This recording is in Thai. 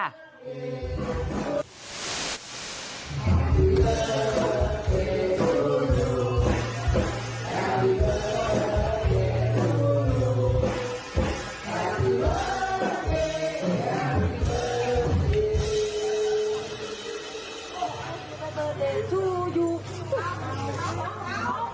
พร้อมคุณโอ้โฮ